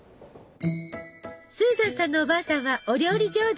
スーザンさんのおばあさんはお料理上手！